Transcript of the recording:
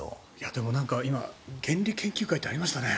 でも今原理研究会ってありましたね。